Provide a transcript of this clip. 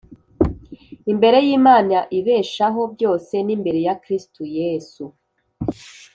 imbere y Imana ibeshaho byose n imbere ya Kristo Yesu